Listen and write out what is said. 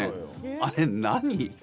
あれ、何？